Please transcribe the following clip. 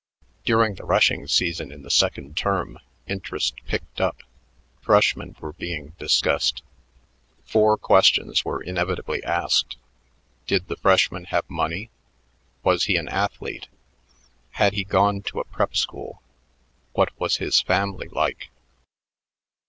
During the rushing season in the second term, interest picked up. Freshmen were being discussed. Four questions were inevitably asked. Did the freshman have money? Was he an athlete? Had he gone to a prep school? What was his family like?